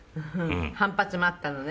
反発もあったのね。